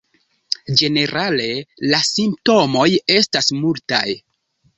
Ĝenerale la simptomoj estas multaj.